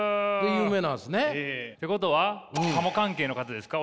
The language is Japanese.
有名なんですね。ってことは鴨関係の方ですか？